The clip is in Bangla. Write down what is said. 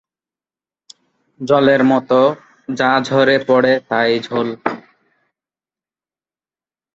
জলের মত যা ঝরে পড়ে তাই ঝোল।